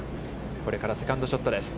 これからセカンドショットです。